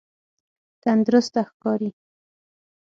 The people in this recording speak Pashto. تندرسته ښکاری؟